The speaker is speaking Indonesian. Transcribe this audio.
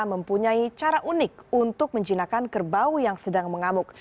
mempunyai cara unik untuk menjinakan kerbau yang sedang mengamuk